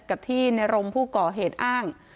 กับที่ในรมผู้ก่อเหตุอ้าง